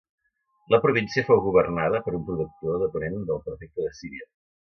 La província fou governada per un procurador depenent del prefecte de Síria.